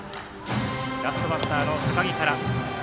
ラストバッターの高木から。